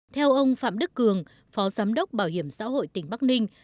theo ông phạm đức cường phó giám đốc bảo hiểm xã hội tỉnh bắc ninh